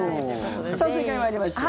さあ、正解参りましょう。